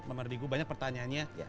pak mardigu banyak pertanyaannya